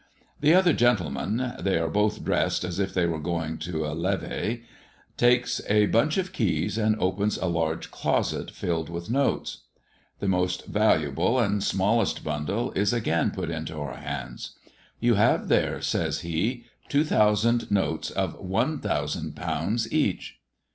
The other gentleman they are both dressed as if they were going to a levée takes a bunch of keys, and opens a large closet filled with notes. The most valuable and smallest bundle is again put into our hands. "You have there," says he, "two thousand notes of one thousand pounds each."